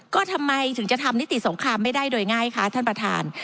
ก็ทำไมถึงจะทำนิติสงครามไม่ได้โดยง่ายคะท่านประธาน